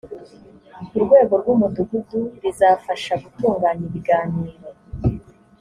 ku rwego rw umudugudu rizafasha gutunganya ibiganiro